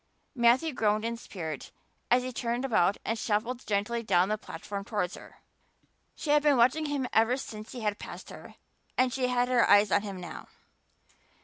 Matthew groaned in spirit as he turned about and shuffled gently down the platform towards her. She had been watching him ever since he had passed her and she had her eyes on him now.